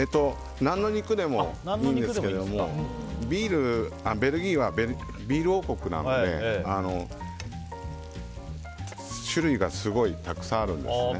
何の肉でもいいんですがベルギーはビール王国なので種類がすごいたくさんあるんですね。